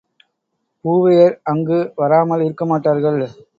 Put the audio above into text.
பூவையர் அங்கு வராமல் இருக்கமாட்டார்கள்.